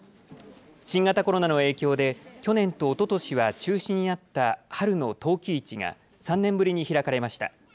新型コロナの影響で去年とおととしは中止になった春の陶器市が３年ぶりに開かれました。